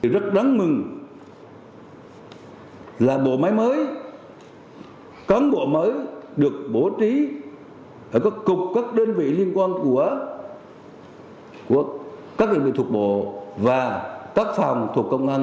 rất đáng mừng là bộ máy mới cán bộ mới được bổ trí ở các cục các đơn vị liên quan của các đơn vị thuộc bộ và các phòng thuộc công an